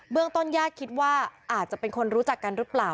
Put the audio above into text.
ต้นญาติคิดว่าอาจจะเป็นคนรู้จักกันหรือเปล่า